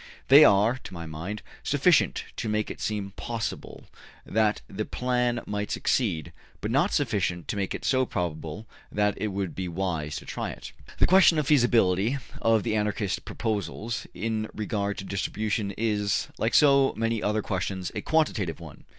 They are, to my mind, sufficient to make it seem possible that the plan might succeed, but not sufficient to make it so probable that it would be wise to try it. The question of the feasibility of the Anarchist proposals in regard to distribution is, like so many other questions, a quantitative one.